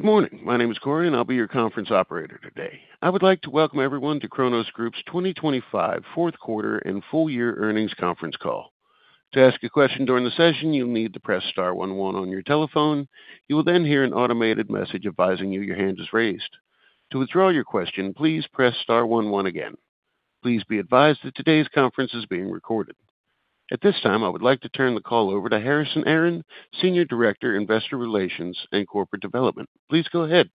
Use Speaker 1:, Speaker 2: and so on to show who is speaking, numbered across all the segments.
Speaker 1: Good morning. My name is Corey, and I'll be your conference operator today. I would like to welcome everyone to Cronos Group's 2025 Fourth Quarter and Full Year Earnings Conference Call. To ask a question during the session, you'll need to press star one one on your telephone. You will hear an automated message advising you your hand is raised. To withdraw your question, please press star one one again. Please be advised that today's conference is being recorded. At this time, I would like to turn the call over to Harrison Aaron, Senior Director, Investor Relations and Corporate Development. Please go ahead.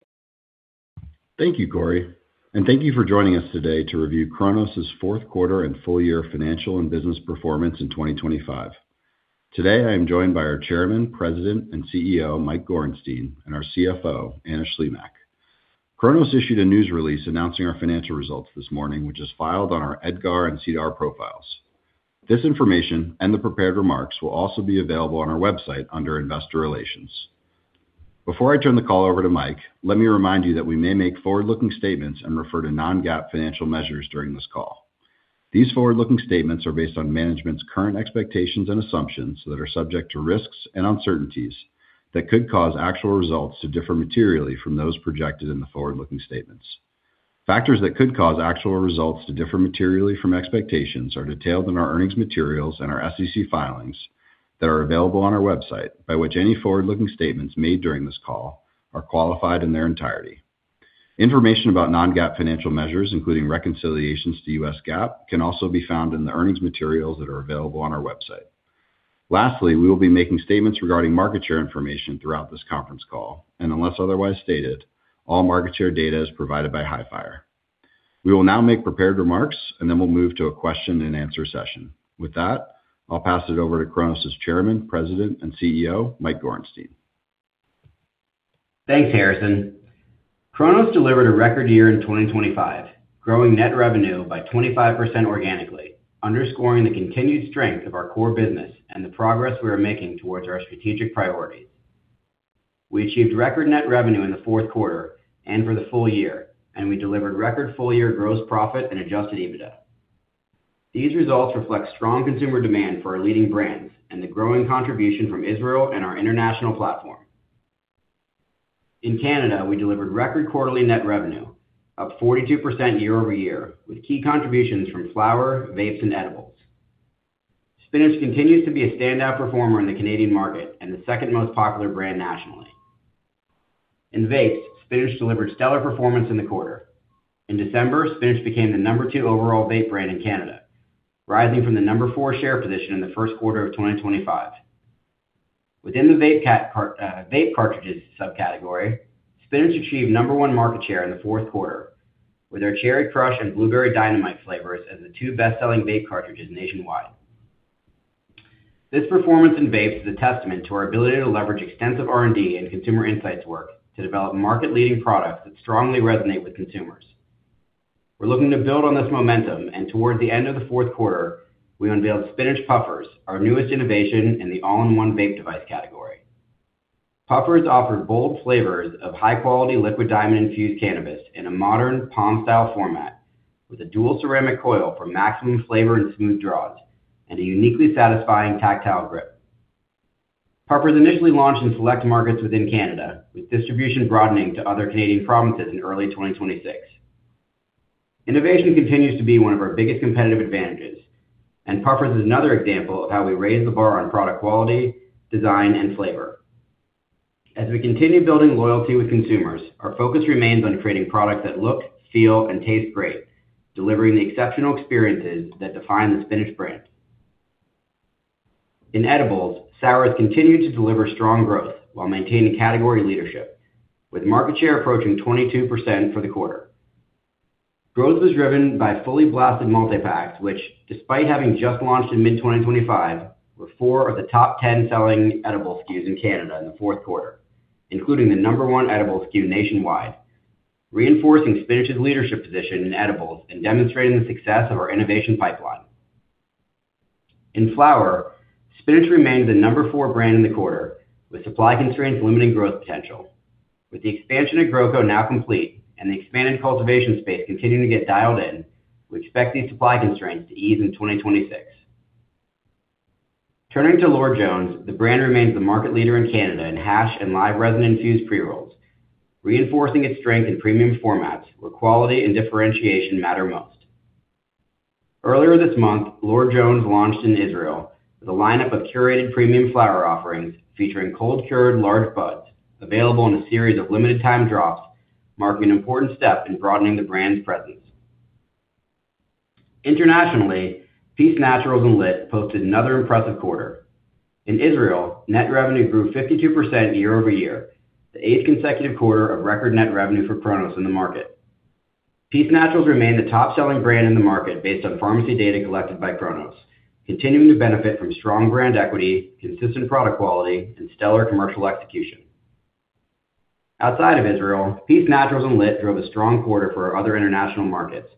Speaker 2: Thank you, Corey, and thank you for joining us today to review Cronos' Fourth Quarter and Full Year Financial and Business Performance in 2025. Today, I am joined by our Chairman, President, and CEO, Mike Gorenstein, and our CFO, Anna Shlimak. Cronos issued a news release announcing our financial results this morning, which is filed on our EDGAR and SEDAR+ profiles. This information and the prepared remarks will also be available on our website under Investor Relations. Before I turn the call over to Mike, let me remind you that we may make forward-looking statements and refer to non-GAAP financial measures during this call. These forward-looking statements are based on management's current expectations and assumptions that are subject to risks and uncertainties that could cause actual results to differ materially from those projected in the forward-looking statements. Factors that could cause actual results to differ materially from expectations are detailed in our earnings materials and our SEC filings that are available on our website, by which any forward-looking statements made during this call are qualified in their entirety. Information about non-GAAP financial measures, including reconciliations to U.S. GAAP, can also be found in the earnings materials that are available on our website. Lastly, we will be making statements regarding market share information throughout this conference call, and unless otherwise stated, all market share data is provided by Hifyre. We will now make prepared remarks, and then we'll move to a question and answer session. With that, I'll pass it over to Cronos's Chairman, President, and CEO, Mike Gorenstein.
Speaker 3: Thanks, Harrison. Cronos delivered a record year in 2025, growing net revenue by 25% organically, underscoring the continued strength of our core business and the progress we are making towards our strategic priorities. We achieved record net revenue in the fourth quarter and for the full year, we delivered record full-year gross profit and adjusted EBITDA. These results reflect strong consumer demand for our leading brands and the growing contribution from Israel and our international platform. In Canada, we delivered record quarterly net revenue, up 42% year-over-year, with key contributions from flower, vapes, and edibles. Spinach continues to be a standout performer in the Canadian market and the second most popular brand nationally. In vapes, Spinach delivered stellar performance in the quarter. In December, Spinach became the number two overall vape brand in Canada, rising from the number four share position in the first quarter of 2025. Within the vape cartridges subcategory, Spinach achieved number one market share in the fourth quarter with our Cherry Crush and Blueberry Dynamite flavors as the two best-selling vape cartridges nationwide. This performance in vapes is a testament to our ability to leverage extensive R&D and consumer insights work to develop market-leading products that strongly resonate with consumers. We're looking to build on this momentum, and towards the end of the fourth quarter, we unveiled Spinach PUFFERZ, our newest innovation in the all-in-one vape device category. PUFFERZ offer bold flavors of high-quality liquid diamond-infused cannabis in a modern palm-style format, with a dual ceramic coil for maximum flavor and smooth draws, and a uniquely satisfying tactile grip. PUFFERZ initially launched in select markets within Canada, with distribution broadening to other Canadian provinces in early 2026. Innovation continues to be one of our biggest competitive advantages. PUFFERZ is another example of how we raise the bar on product quality, design, and flavor. As we continue building loyalty with consumers, our focus remains on creating products that look, feel, and taste great, delivering the exceptional experiences that define the Spinach brand. In edibles, SOURZ continued to deliver strong growth while maintaining category leadership, with market share approaching 22% for the quarter. Growth was driven by Fully Blasted multi-packs, which, despite having just launched in mid-2025, were four of the top 10 selling edibles SKUs in Canada in the fourth quarter, including the number one edibles SKU nationwide, reinforcing Spinach's leadership position in edibles and demonstrating the success of our innovation pipeline. In flower, Spinach remained the number four brand in the quarter, with supply constraints limiting growth potential. With the expansion of GrowCo now complete and the expanded cultivation space continuing to get dialed in, we expect these supply constraints to ease in 2026. Turning to Lord Jones, the brand remains the market leader in Canada in hash and live resin-infused pre-rolls, reinforcing its strength in premium formats where quality and differentiation matter most. Earlier this month, Lord Jones launched in Israel with a lineup of curated premium flower offerings featuring cold-cured large buds available in a series of limited-time drops, marking an important step in broadening the brand's presence. Internationally, PEACE NATURALS and Lit posted another impressive quarter. In Israel, net revenue grew 52% year-over-year, the 8th consecutive quarter of record net revenue for Cronos in the market. PEACE NATURALS remained the top-selling brand in the market based on pharmacy data collected by Cronos, continuing to benefit from strong brand equity, consistent product quality, and stellar commercial execution. Outside of Israel, PEACE NATURALS and LIT drove a strong quarter for our other international markets,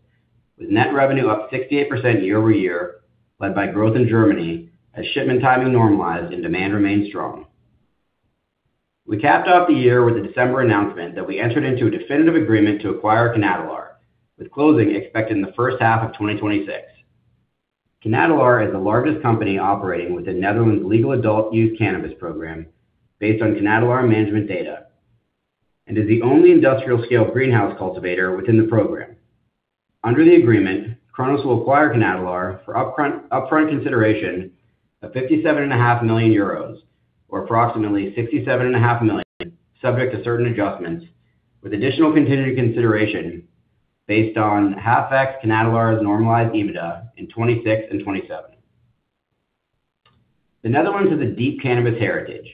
Speaker 3: with net revenue up 68% year-over-year, led by growth in Germany as shipment timing normalized and demand remained strong. We capped off the year with a December announcement that we entered into a definitive agreement to acquire CanAdelaar, with closing expected in the first half of 2026. CanAdelaar is the largest company operating within Netherlands' legal adult use cannabis program, based on CanAdelaar management data, and is the only industrial-scale greenhouse cultivator within the program. Under the agreement, Cronos will acquire CanAdelaar for upfront consideration of 57.5 million euros, or approximately $67.5 million, subject to certain adjustments, with additional continued consideration based on 0.5x CanAdelaar's normalized EBITDA in 2026 and 2027. The Netherlands has a deep cannabis heritage,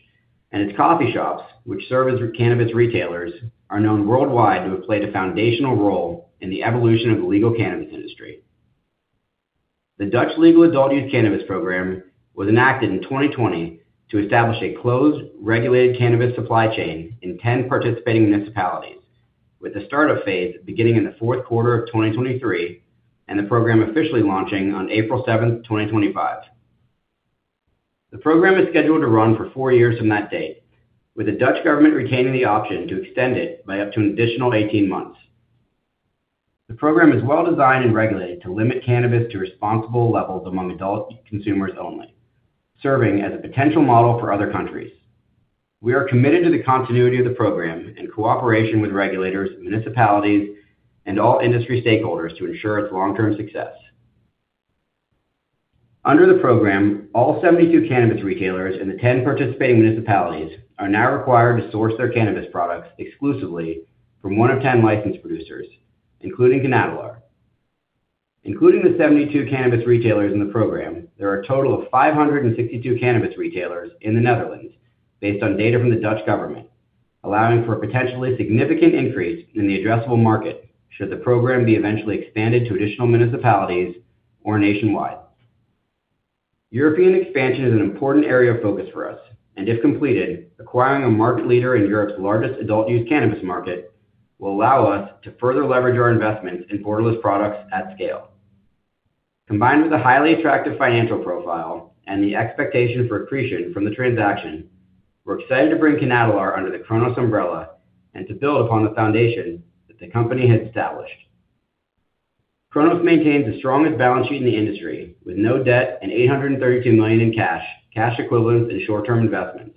Speaker 3: and its coffee shops, which serve as cannabis retailers, are known worldwide to have played a foundational role in the evolution of the legal cannabis industry. The Dutch legal adult use cannabis program was enacted in 2020 to establish a closed, regulated cannabis supply chain in 10 participating municipalities, with the startup phase beginning in the fourth quarter of 2023, and the program officially launching on April 7th, 2025. The program is scheduled to run for four years from that date, with the Dutch government retaining the option to extend it by up to an additional 18 months. The program is well-designed and regulated to limit cannabis to responsible levels among adult consumers only, serving as a potential model for other countries. We are committed to the continuity of the program in cooperation with regulators, municipalities, and all industry stakeholders to ensure its long-term success. Under the program, all 72 cannabis retailers in the 10 participating municipalities are now required to source their cannabis products exclusively from one of 10 licensed producers, including CanAdelaar. Including the 72 cannabis retailers in the program, there are a total of 562 cannabis retailers in the Netherlands, based on data from the Dutch government, allowing for a potentially significant increase in the addressable market should the program be eventually expanded to additional municipalities or nationwide. European expansion is an important area of focus for us, if completed, acquiring a market leader in Europe's largest adult use cannabis market will allow us to further leverage our investments in borderless products at scale. Combined with a highly attractive financial profile and the expectation for accretion from the transaction, we're excited to bring CanAdelaar under the Cronos umbrella and to build upon the foundation that the company has established. Cronos maintains the strongest balance sheet in the industry, with no debt and $832 million in cash equivalents, and short-term investments,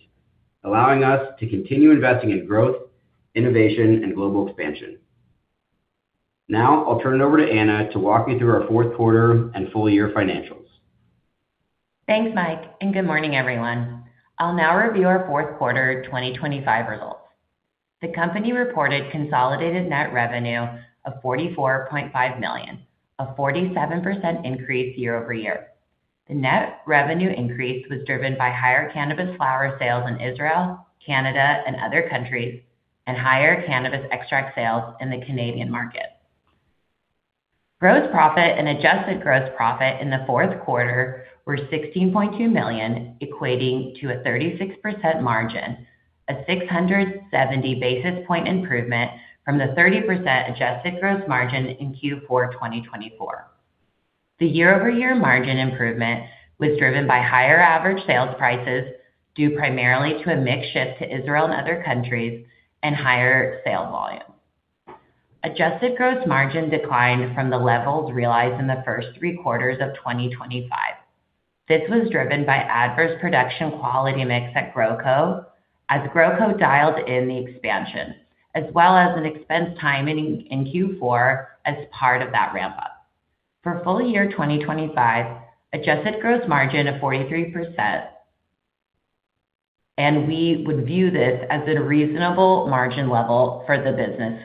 Speaker 3: allowing us to continue investing in growth, innovation, and global expansion. I'll turn it over to Anna to walk you through our fourth quarter and full year financials.
Speaker 4: Thanks, Mike. Good morning, everyone. I'll now review our fourth quarter 2025 results. The company reported consolidated net revenue of $44.5 million, a 47% increase year-over-year. The net revenue increase was driven by higher cannabis flower sales in Israel, Canada, and other countries, and higher cannabis extract sales in the Canadian market. Gross profit and adjusted gross profit in the fourth quarter were $16.2 million, equating to a 36% margin, a 670 basis point improvement from the 30% adjusted gross margin in Q4 2024. The year-over-year margin improvement was driven by higher average sales prices, due primarily to a mix shift to Israel and other countries, and higher sale volume. Adjusted gross margin declined from the levels realized in the first three quarters of 2025. This was driven by adverse production quality mix at GrowCo, as GrowCo dialed in the expansion, as well as an expense timing in Q4 as part of that ramp-up. For full year 2025, adjusted gross margin of 43%, and we would view this as a reasonable margin level for the business.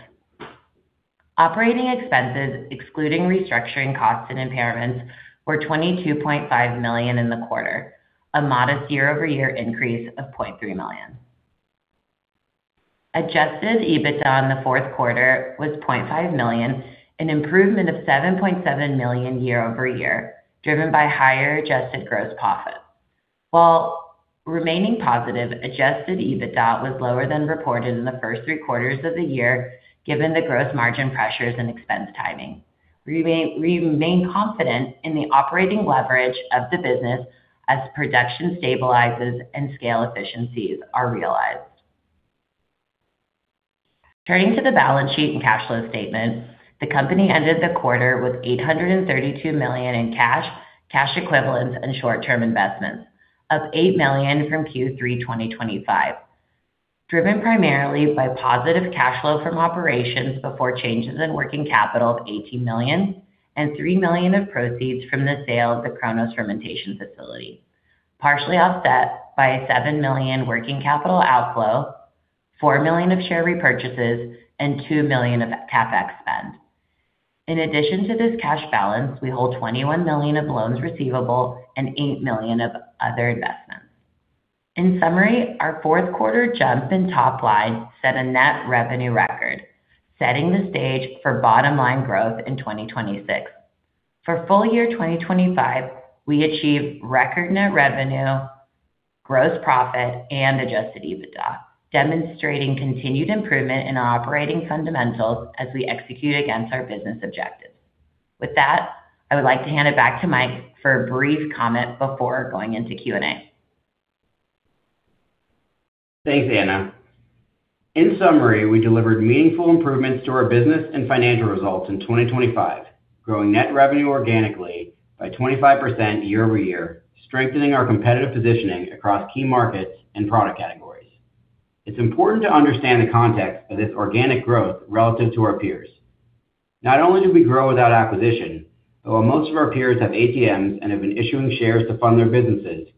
Speaker 4: Operating expenses, excluding restructuring costs and imparments, were $22.5 million in the quarter, a modest year-over-year increase of $0.3 million. Adjusted EBITDA in the fourth quarter was $0.5 million, an improvement of $7.7 million year-over-year, driven by higher adjusted gross profit. While remaining positive, adjusted EBITDA was lower than reported in the first three quarters of the year, given the gross margin pressures and expense timing. We remain confident in the operating leverage of the business as production stabilizes and scale efficiencies are realized. Turning to the balance sheet and cash flow statement, the company ended the quarter with $832 million in cash equivalents, and short-term investments, up $8 million from Q3 2025, driven primarily by positive cash flow from operations before changes in working capital of $18 million and $3 million of proceeds from the sale of the Cronos fermentation facility, partially offset by $7 million working capital outflow, $4 million of share repurchases, and $2 million of CapEx spend. In addition to this cash balance, we hold $21 million of loans receivable and $8 million of other investments. In summary, our fourth quarter jump in top line set a net revenue record, setting the stage for bottom line growth in 2026. For full year 2025, we achieved record net revenue, gross profit, and adjusted EBITDA, demonstrating continued improvement in our operating fundamentals as we execute against our business objectives. With that, I would like to hand it back to Mike for a brief comment before going into Q&A.
Speaker 3: Thanks, Anna. In summary, we delivered meaningful improvements to our business and financial results in 2025, growing net revenue organically by 25% year-over-year, strengthening our competitive positioning across key markets and product categories. It's important to understand the context of this organic growth relative to our peers. While most of our peers have ATMs and have been issuing shares to fund their businesses,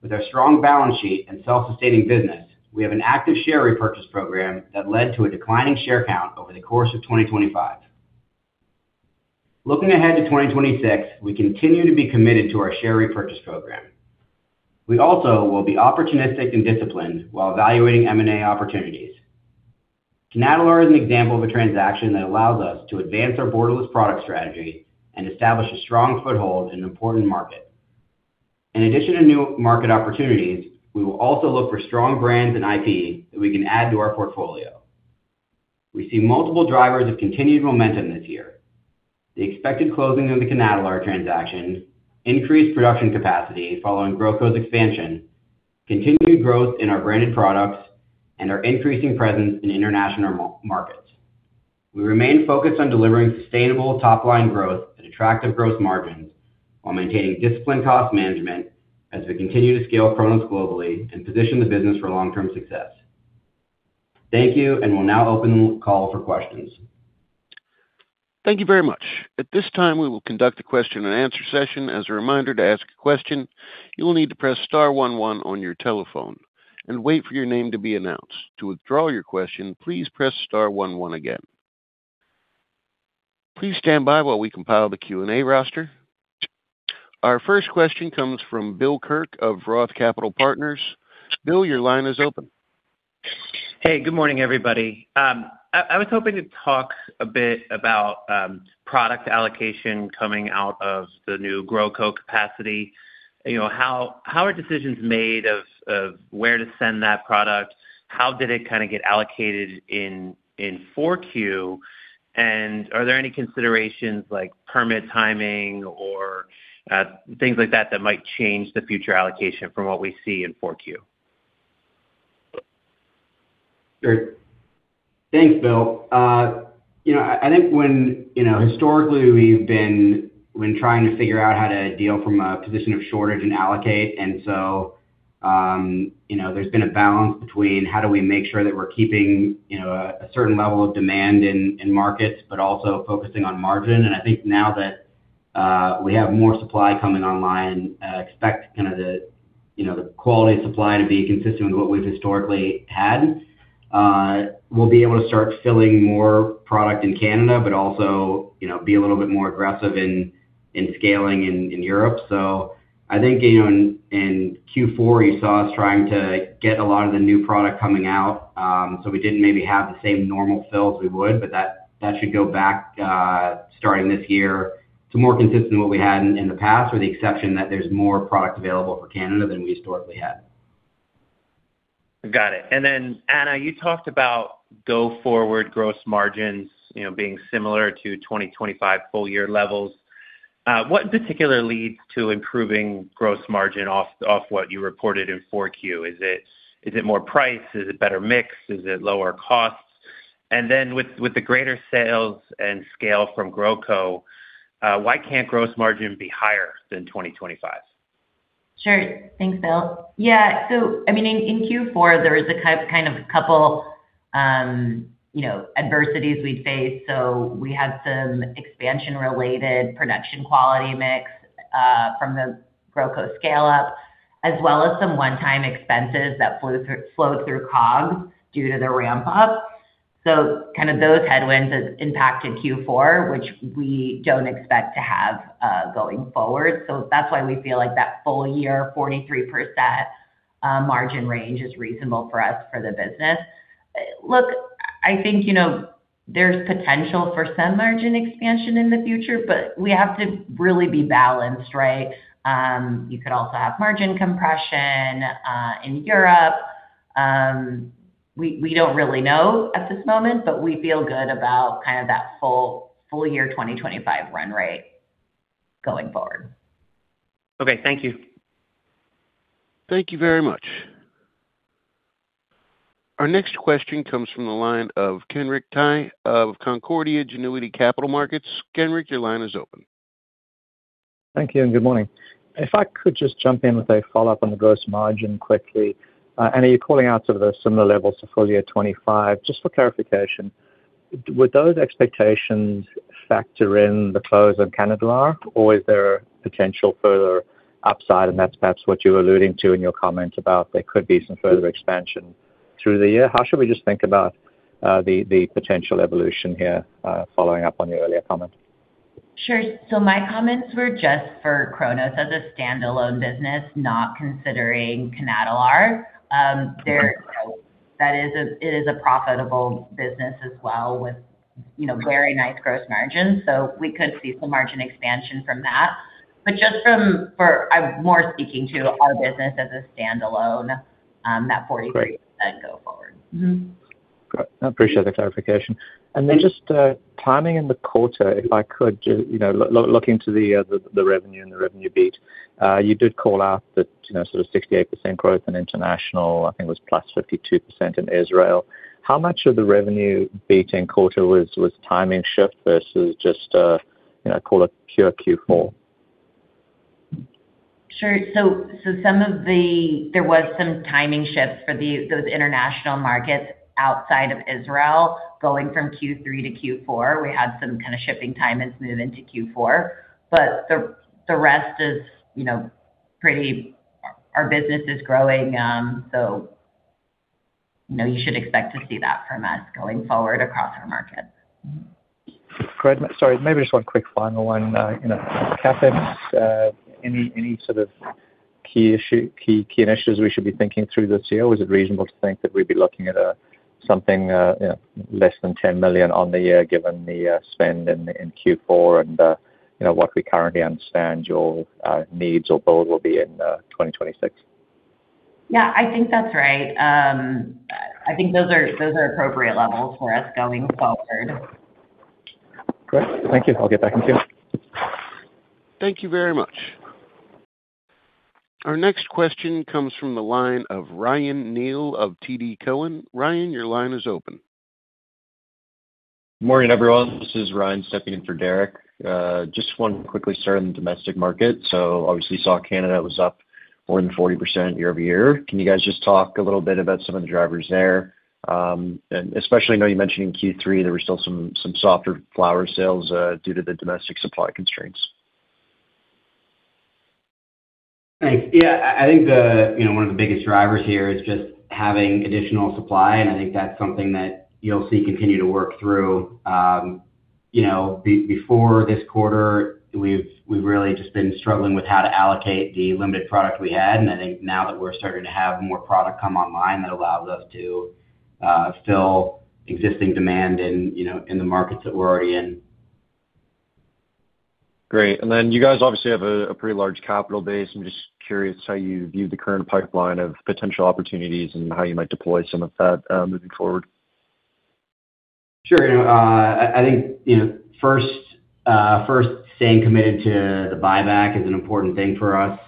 Speaker 3: with our strong balance sheet and self-sustaining business, we have an active share repurchase program that led to a declining share count over the course of 2025. Looking ahead to 2026, we continue to be committed to our share repurchase program. We also will be opportunistic and disciplined while evaluating M&A opportunities. CanAdelaar is an example of a transaction that allows us to advance our borderless product strategy and establish a strong foothold in an important market. In addition to new market opportunities, we will also look for strong brands and IP that we can add to our portfolio. We see multiple drivers of continued momentum this year. The expected closing of the CanAdelaar transaction, increased production capacity following GrowCo's expansion, continued growth in our branded products, and our increasing presence in international markets. We remain focused on delivering sustainable top-line growth and attractive growth margins, while maintaining disciplined cost management as we continue to scale Cronos globally and position the business for long-term success. Thank you, and we'll now open the call for questions.
Speaker 1: Thank you very much. At this time, we will conduct a question-and-answer session. As a reminder, to ask a question, you will need to press star one one on your telephone and wait for your name to be announced. To withdraw your question, please press star one one again. Please stand by while we compile the Q&A roster. Our first question comes from Bill Kirk of ROTH Capital Partners. Bill, your line is open.
Speaker 5: Hey, good morning, everybody. I was hoping to talk a bit about product allocation coming out of the new GrowCo capacity. You know, how are decisions made of where to send that product? How did it kind of get allocated in 4Q? And are there any considerations like permit timing or things like that might change the future allocation from what we see in 4Q?
Speaker 3: Great. Thanks, Bill. you know, I think when, you know, when trying to figure out how to deal from a position of shortage and allocate, you know, there's been a balance between how do we make sure that we're keeping, you know, a certain level of demand in markets, but also focusing on margin. I think now that, we have more supply coming online, I expect kind of the, you know, the quality of supply to be consistent with what we've historically had. We'll be able to start filling more product in Canada, but also, you know, be a little bit more aggressive in scaling in Europe. I think, you know, in Q4, you saw us trying to get a lot of the new product coming out. We didn't maybe have the same normal fill as we would, but that should go back, starting this year to more consistent with what we had in the past, with the exception that there's more product available for Canada than we historically had.
Speaker 5: Got it. Then, Anna, you talked about go-forward gross margins, you know, being similar to 2025 full year levels. What in particular leads to improving gross margin off what you reported in Q4? Is it more price? Is it better mix? Is it lower costs? Then with the greater sales and scale from GrowCo, why can't gross margin be higher than 2025?
Speaker 4: Thanks, Bill. Yeah, so, I mean, in Q4, there was a kind of couple, you know, adversities we faced. We had some expansion-related production quality mix from the GrowCo scale up, as well as some one-time expenses that flowed through COGS due to the ramp up. Kind of those headwinds has impacted Q4, which we don't expect to have going forward. That's why we feel like that full year, 43% margin range is reasonable for us for the business. Look, I think, you know, there's potential for some margin expansion in the future, but we have to really be balanced, right? You could also have margin compression in Europe. We don't really know at this moment, but we feel good about kind of that full year 2025 run rate going forward.
Speaker 5: Okay. Thank you.
Speaker 1: Thank you very much. Our next question comes from the line of Kendrick Tai of Canaccord Genuity Capital Markets. Kenrick, your line is open.
Speaker 6: Thank you. Good morning. If I could just jump in with a follow-up on the gross margin quickly. Anna, you're calling out to the similar levels to full year 2025. Just for clarification, would those expectations factor in the close of CanAdelaar, or is there potential further upside, and that's perhaps what you're alluding to in your comment about there could be some further expansion through the year? How should we just think about the potential evolution here, following up on your earlier comment?
Speaker 4: Sure. My comments were just for Cronos as a standalone business, not considering CanAdelaar.
Speaker 6: Right.
Speaker 4: It is a profitable business as well with, you know, very nice gross margins. We could see some margin expansion from that. Just from, I'm more speaking to our business as a standalone.
Speaker 6: Great.
Speaker 4: That go forward. Mm-hmm.
Speaker 6: I appreciate the clarification. Then just, timing in the quarter, if I could, just, you know, looking to the revenue and the revenue beat. You did call out that, you know, sort of 68% growth in international, I think was +52% in Israel. How much of the revenue beat in quarter was timing shift versus just, you know, call it pure Q4?
Speaker 4: Sure. Some of the, there was some timing shifts for those international markets outside of Israel, going from Q3 to Q4. We had some kind of shifting timings move into Q4, the rest is, you know, pretty, our business is growing. You know, you should expect to see that from us going forward across our markets.
Speaker 6: Great. Sorry, maybe just one quick final one. You know, CapEx, any sort of key initiatives we should be thinking through this year? Or is it reasonable to think that we'd be looking at something, you know, less than $10 million on the year, given the spend in Q4 and, you know, what we currently understand your needs or build will be in 2026?
Speaker 4: I think that's right. I think those are appropriate levels for us going forward.
Speaker 6: Great. Thank you. I'll get back in queue.
Speaker 1: Thank you very much. Our next question comes from the line of Ryan Neal of TD Cowen. Ryan, your line is open.
Speaker 7: Morning, everyone. This is Ryan stepping in for Derek. just want to quickly start in the domestic market. obviously saw Canada was up more than 40% year-over-year. Can you guys just talk a little bit about some of the drivers there? especially, I know you mentioned in Q3, there were still some softer flower sales due to the domestic supply constraints.
Speaker 3: Thanks. Yeah, I think the, you know, one of the biggest drivers here is just having additional supply, and I think that's something that you'll see continue to work through. You know, before this quarter, we've really just been struggling with how to allocate the limited product we had, and I think now that we're starting to have more product come online, that allows us to fill existing demand in, you know, in the markets that we're already in.
Speaker 7: Great. Then you guys obviously have a pretty large capital base. I'm just curious how you view the current pipeline of potential opportunities and how you might deploy some of that moving forward.
Speaker 3: Sure. You know, I think, staying committed to the buyback is an important thing for us.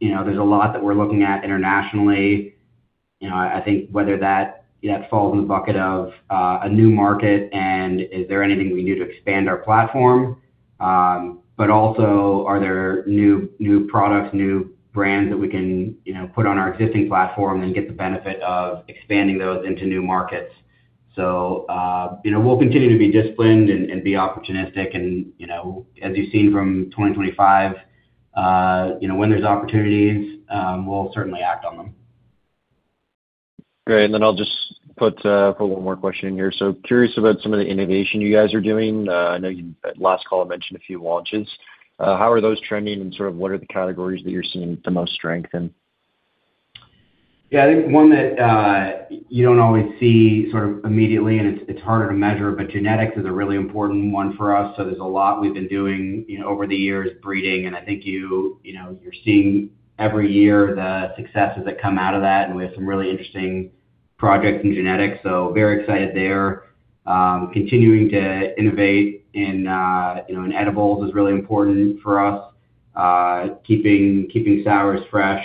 Speaker 3: You know, there's a lot that we're looking at internationally. You know, I think whether that falls in the bucket of a new market, and is there anything we can do to expand our platform? Are there new products, new brands that we can, you know, put on our existing platform and get the benefit of expanding those into new markets? You know, we'll continue to be disciplined and be opportunistic. You know, as you've seen from 2025, you know, when there's opportunities, we'll certainly act on them.
Speaker 7: Great. I'll just put one more question in here. Curious about some of the innovation you guys are doing. I know you last call mentioned a few launches. How are those trending, and sort of what are the categories that you're seeing the most strength in?
Speaker 3: I think one that you don't always see sort of immediately, and it's harder to measure, but genetics is a really important one for us. There's a lot we've been doing, you know, over the years, breeding, and I think you know, you're seeing every year the successes that come out of that, and we have some really interesting projects in genetics, very excited there. Continuing to innovate in, you know, in edibles is really important for us, keeping SOURZ fresh.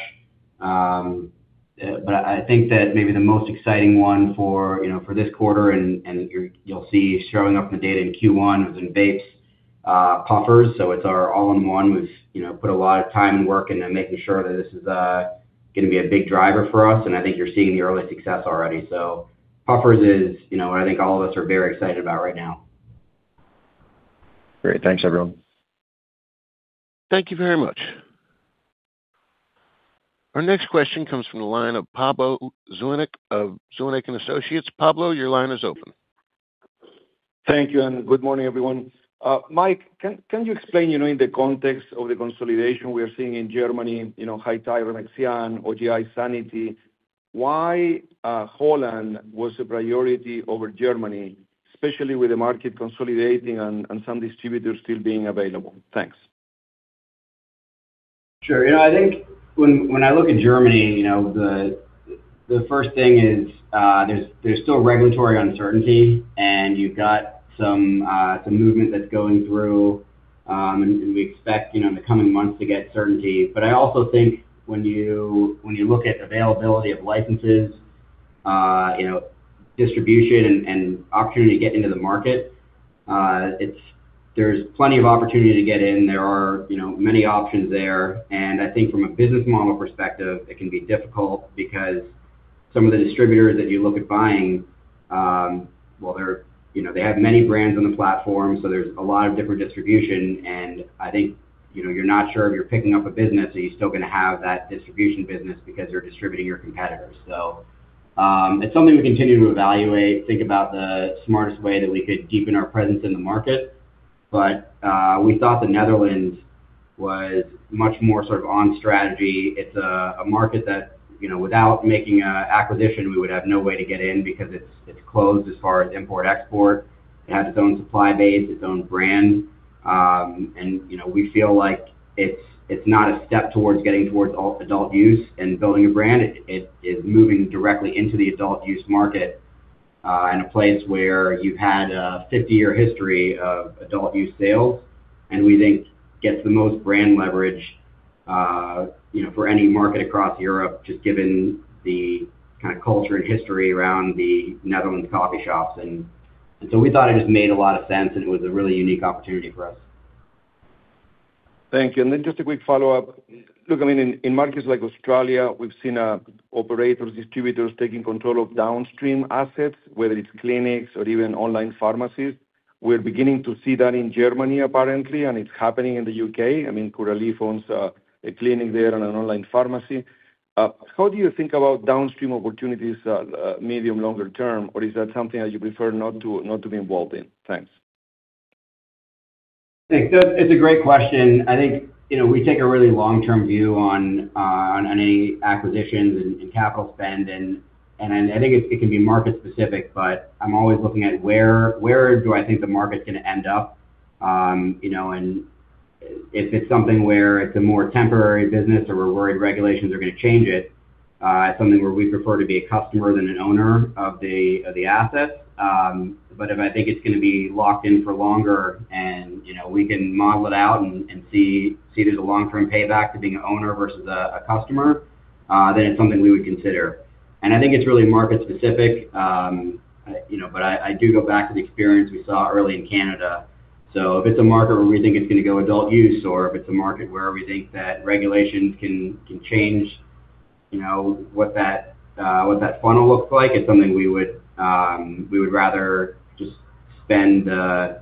Speaker 3: I think that maybe the most exciting one for, you know, for this quarter and you'll see showing up in the data in Q1, is in vapes, PUFFERZ. It's our all-in-one. We've, you know, put a lot of time and work into making sure that this is, gonna be a big driver for us, and I think you're seeing the early success already. PUFFERZ is, you know, what I think all of us are very excited about right now.
Speaker 7: Great. Thanks, everyone.
Speaker 1: Thank you very much. Our next question comes from the line of Pablo Zuanic of Zuanic & Associates. Pablo, your line is open.
Speaker 8: Thank you, and good morning, everyone. Mike, can you explain, you know, in the context of the consolidation we are seeing in Germany, you know, High Tide and DEMECAN, OGI, Sanity, why Holland was a priority over Germany, especially with the market consolidating and some distributors still being available? Thanks.
Speaker 3: Sure. You know, I think when I look at Germany, you know, the first thing is, there's still regulatory uncertainty, and you've got some movement that's going through. We expect, you know, in the coming months to get certainty. I also think when you, when you look at availability of licenses, you know, distribution and opportunity to get into the market, there's plenty of opportunity to get in. There are, you know, many options there. I think from a business model perspective, it can be difficult because some of the distributors that you look at buying, well, you know, they have many brands on the platform, there's a lot of different distribution, and I think, you know, you're not sure if you're picking up a business, are you still gonna have that distribution business because they're distributing your competitors. It's something we continue to evaluate, think about the smartest way that we could deepen our presence in the market. We thought the Netherlands was much more sort of on strategy. It's a market that, you know, without making a acquisition, we would have no way to get in because it's closed as far as import/export. It has its own supply base, its own brands. You know, we feel like it's not a step towards getting towards adult use and building a brand. It's moving directly into the adult use market in a place where you've had a 50-year history of adult use sales, and we think gets the most brand leverage, you know, for any market across Europe, just given the kind of culture and history around the Netherlands coffee shops. So we thought it just made a lot of sense, and it was a really unique opportunity for us.
Speaker 8: Thank you. Just a quick follow-up. Look, I mean, in markets like Australia, we've seen operators, distributors taking control of downstream assets, whether it's clinics or even online pharmacies. We're beginning to see that in Germany, apparently, and it's happening in the U.K. I mean, Curaleaf owns a clinic there and an online pharmacy. How do you think about downstream opportunities, medium, longer term, or is that something that you prefer not to be involved in? Thanks.
Speaker 3: Thanks. It's a great question. I think, you know, we take a really long-term view on any acquisitions and capital spend, and I think it can be market specific, but I'm always looking at where do I think the market's gonna end up? You know, and if it's something where it's a more temporary business or we're worried regulations are gonna change it's something where we prefer to be a customer than an owner of the asset. But if I think it's gonna be locked in for longer and, you know, we can model it out and see there's a long-term payback to being an owner versus a customer, then it's something we would consider. I think it's really market specific. you know, but I do go back to the experience we saw early in Canada. If it's a market where we think it's gonna go adult use, or if it's a market where we think that regulations can change, you know, what that funnel looks like, it's something we would rather just spend the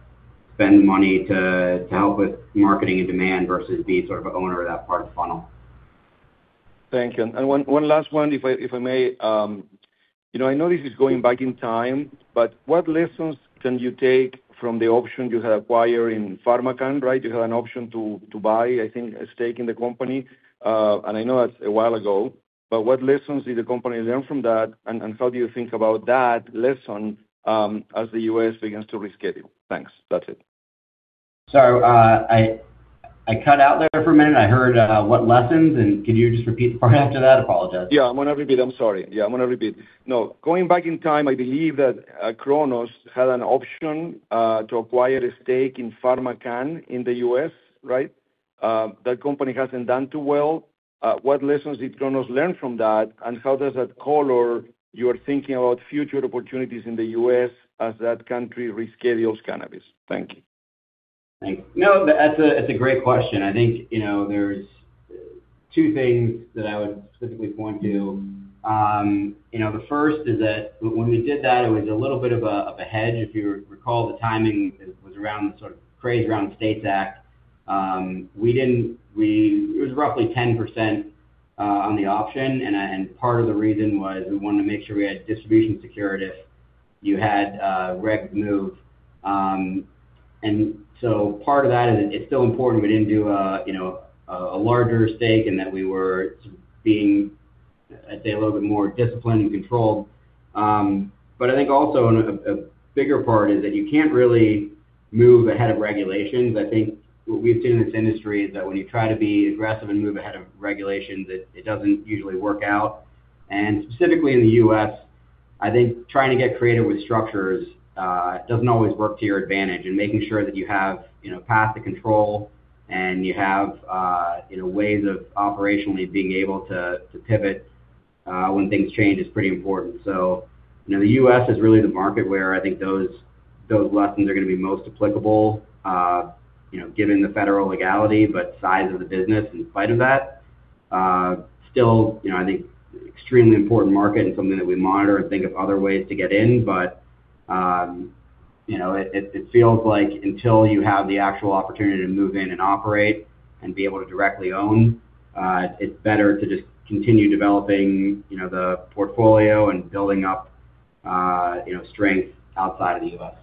Speaker 3: money to help with marketing and demand versus be sort of an owner of that part of the funnel.
Speaker 8: Thank you. One last one, if I may. you know, I know this is going back in time, but what lessons can you take from the option you had acquired in PharmaCann, right? You had an option to buy, I think, a stake in the company. I know that's a while ago, but what lessons did the company learn from that, and how do you think about that lesson, as the U.S. begins to reschedule? Thanks. That's it.
Speaker 3: I cut out there for a minute. I heard what lessons, and can you just repeat the part after that? I apologize.
Speaker 8: I'm gonna repeat. I'm sorry. I'm gonna repeat. Going back in time, I believe that Cronos had an option to acquire a stake in PharmaCann in the U.S., right? That company hasn't done too well. What lessons did Cronos learn from that, and how does that color your thinking about future opportunities in the U.S. as that country reschedules cannabis? Thank you.
Speaker 3: Thank you. No, that's a, that's a great question. I think, you know, there's two things that I would specifically point to. You know, the first is that when we did that, it was a little bit of a, of a hedge. If you recall, the timing it was around sort of craze around the STATES Act. We didn't. It was roughly 10% on the option, and part of the reason was we wanted to make sure we had distribution secured if you had reg move. Part of that is it's still important we didn't do a, you know, a larger stake and that we were being, I'd say, a little bit more disciplined and controlled. I think also and a bigger part is that you can't really move ahead of regulations. I think what we've seen in this industry is that when you try to be aggressive and move ahead of regulations, it doesn't usually work out. Specifically in the U.S., I think trying to get creative with structures doesn't always work to your advantage, and making sure that you have, you know, path to control and you have, you know, ways of operationally being able to pivot when things change is pretty important. You know, the U.S. is really the market where I think those lessons are gonna be most applicable, you know, given the federal legality, but size of the business in spite of that. Still, you know, I think extremely important market and something that we monitor and think of other ways to get in, but, you know, it, it feels like until you have the actual opportunity to move in and operate and be able to directly own, it's better to just continue developing, you know, the portfolio and building up, you know, strength outside of the U.S.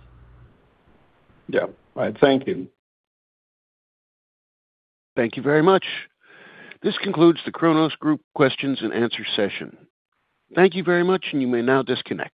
Speaker 8: Yeah. All right, thank you.
Speaker 1: Thank you very much. This concludes the Cronos Group questions and answer session. Thank you very much, and you may now disconnect.